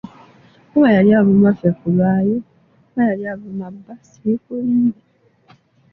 Oba yali avuma ffe kulwayo, oba yali avuma bba, ssiikulimbe.